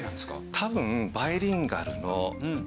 多分。